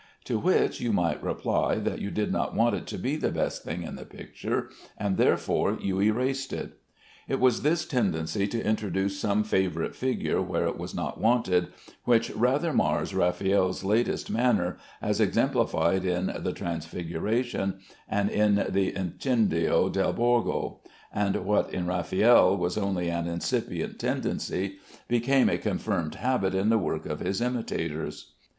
To which you might reply that you did not want it to be the best thing in the picture, and therefore you erased it. It was this tendency to introduce some favorite figure where it was not wanted, which rather mars Raffaelle's latest manner, as exemplified in the "Transfiguration," and in the "Incendio del Borgo"; and what in Raffaelle was only an incipient tendency became a confirmed habit in the work of his imitators.